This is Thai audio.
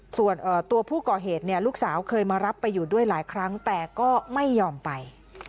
ส่วนตัวผู้ก่อเหตุเนี่ยลูกสาวเคยมารับไปอยู่ด้วยหลายครั้งแต่ก็ไม่ยอมไป